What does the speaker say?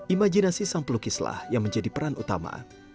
imajinasi sampel lukislah yang menjadi peran utama